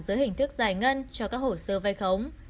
dưới hình thức giải ngân cho các hồ sơ vai khống